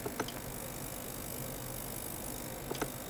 Habita en Etiopía y Angola.